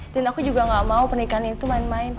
dan aku juga gak mau pernikahan itu main main